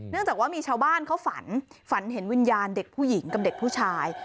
จากว่ามีชาวบ้านเขาฝันฝันเห็นวิญญาณเด็กผู้หญิงกับเด็กผู้ชาย